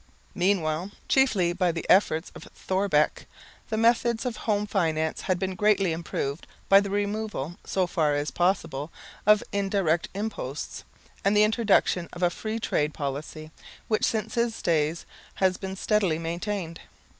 Meanwhile, chiefly by the efforts of Thorbecke, the methods of home finance had been greatly improved by the removal, so far as possible, of indirect imposts, and the introduction of a free trade policy, which since his days has been steadily maintained.